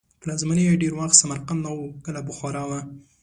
پلازمینه یې ډېر وخت سمرقند او کله بخارا وه.